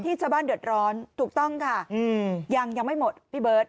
ถูกต้องค่ะยังไม่หมดพี่เบิร์ต